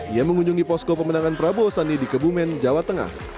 ia mengunjungi posko pemenangan prabowo sandi di kebumen jawa tengah